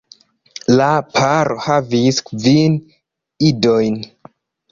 La paro havis kvin idojn.